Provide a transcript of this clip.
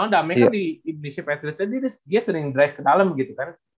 di sma dia sering drive ke dalam gitu kan